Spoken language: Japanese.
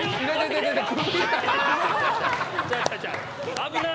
危ない！